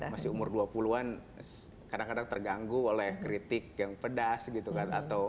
masih umur dua puluh an kadang kadang terganggu oleh kritik yang pedas gitu kan